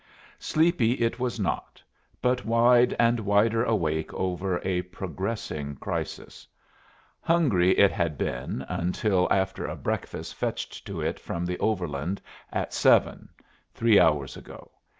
Sleepy it was not, but wide and wider awake over a progressing crisis. Hungry it had been until after a breakfast fetched to it from the Overland at seven, three hours ago.